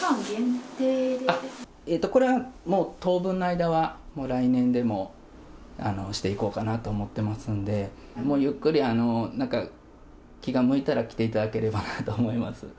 これはもう、当分の間はもう来年でもしていこうかなと思ってますんで、もうゆっくり、なんか、気が向いたら来ていただければなと思います。